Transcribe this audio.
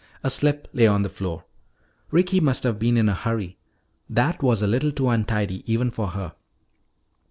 A slip lay on the floor. Ricky must have been in a hurry; that was a little too untidy even for her.